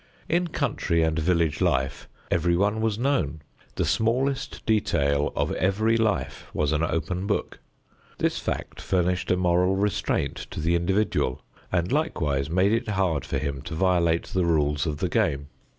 In country and village life everyone was known, the smallest detail of every life was an open book. This fact furnished a moral restraint to the individual and likewise made it hard for him to violate the rules of the game.